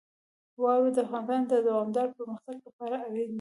واوره د افغانستان د دوامداره پرمختګ لپاره اړین دي.